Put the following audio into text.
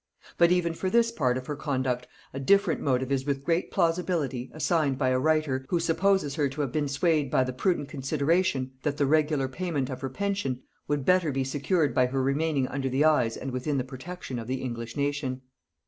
But even for this part of her conduct a different motive is with great plausibility assigned by a writer, who supposes her to have been swayed by the prudent consideration, that the regular payment of her pension would better be secured by her remaining under the eyes and within the protection of the English nation.